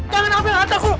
jangan ambil harta ku